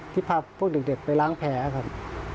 ที่พาพวกเด็กไปล้างแผลครับ